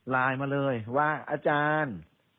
ไลน์มาเลยว่าอาจารย์